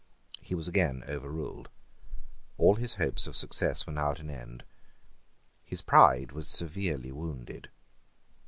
He was again overruled. All his hopes of success were now at an end. His pride was severely wounded.